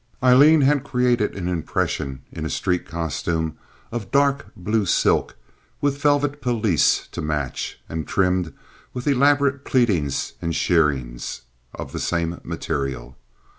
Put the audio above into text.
Aileen had created an impression in a street costume of dark blue silk with velvet pelisse to match, and trimmed with elaborate pleatings and shirrings of the same materials.